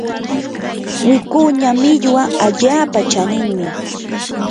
wikuña millwa allaapa chaninmi.